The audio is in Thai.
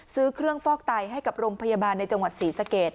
ซื้อเครื่องฟอกไตให้กับโรงพยาบาลในจังหวัดศรีสะเกด